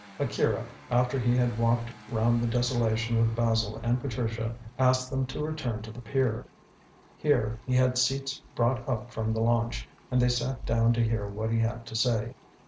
Akira, after he had walked round the desolation with Basil and Patricia, asked them to return to the pier. Here, he had seats brought up from the launch, and they sat down to hear what he had to say.